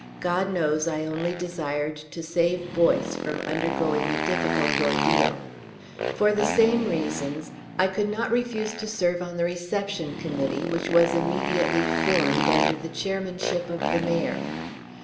God knows I only desired to save Boyce from undergoing a difficult ordeal. For the same reasons I could not refuse to serve on the Reception Committee which was immediately formed under the chairmanship of the Mayor.